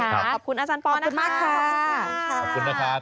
ขอบคุณอาจารย์ปอล์นะคะขอบคุณมากค่ะขอบคุณค่ะ